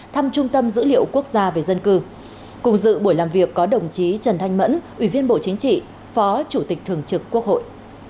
thăm trung tâm dữ liệu quốc gia về dân cư cùng dự buổi làm việc có đồng chí trần thanh mẫn ủy viên bộ chính trị phó chủ tịch thường trực quốc hội